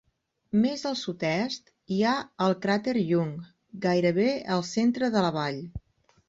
Més al sud-est hi ha el cràter Young, gairebé al centre de la vall.